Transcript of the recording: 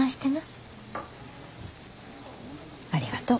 ありがとう。